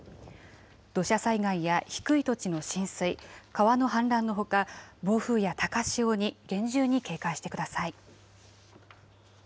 土砂災害や低い土地の浸水、川の氾濫のほか暴風や高潮に厳重に警戒してください。